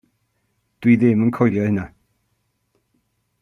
Dw i ddim yn coelio hynna.